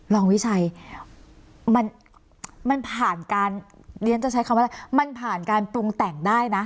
วิชัยมันผ่านการเรียนจะใช้คำว่าอะไรมันผ่านการปรุงแต่งได้นะ